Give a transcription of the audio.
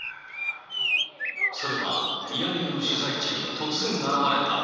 それはミヤネ屋の取材中、突然現れた。